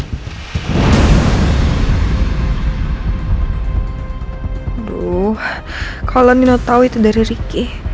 aduh kalo nino tau itu dari riki